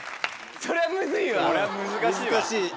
そりゃムズいわ！